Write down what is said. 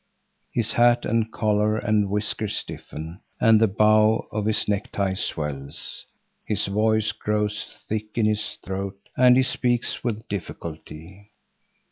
His hat and collar and whiskers stiffen, and the bow of his necktie swells. His voice grows thick in his throat, and he speaks with difficulty.